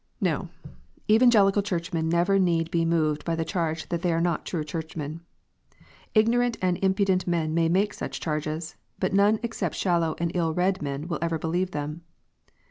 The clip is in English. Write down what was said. No I Evangelical Churchmen never need be moved by the charge that they are not true Churchmen. Ignorant and im pudent men may make such charges, but none except shallow and ill read men will ever believe them.